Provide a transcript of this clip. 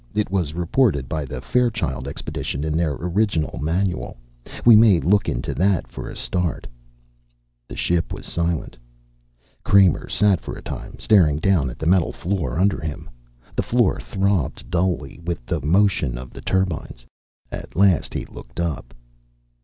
It was reported by the Fairchild Expedition in their original manual. We may look into that, for a start." The ship was silent. Kramer sat for a time, staring down at the metal floor under him. The floor throbbed dully with the motion of the turbines. At last he looked up.